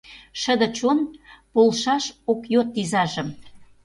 Шыде чон полшаш ок йод изажым.